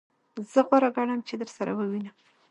زه غوره ګڼم چی درسره ووینم.